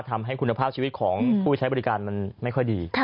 ทำให้คุณภาพชีวิตของผู้ใช้บริการมันไม่ค่อยดี